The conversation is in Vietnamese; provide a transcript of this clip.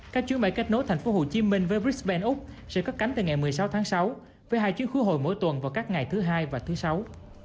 các chuyến bay kết nối thành phố hồ chí minh với brisbane úc sẽ cắt cánh từ ngày một mươi sáu tháng sáu với hai chuyến khứa hồi mỗi tuần vào các ngày thứ hai và thứ sáu